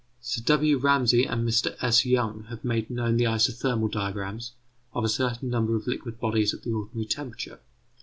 Sir W. Ramsay and Mr S. Young have made known the isothermal diagrams of a certain number of liquid bodies at the ordinary temperature.